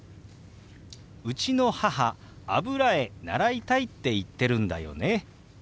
「うちの母油絵習いたいって言ってるんだよね」。